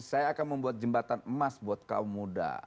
saya akan membuat jembatan emas buat kaum muda